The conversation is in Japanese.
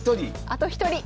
あと１人！